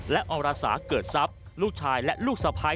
และอรสาเกิดทรัพย์ลูกชายและลูกสะพ้าย